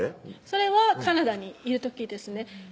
それはカナダにいる時ですね